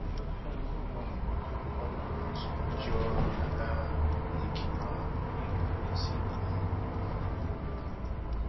Jauro nada hikima da basira.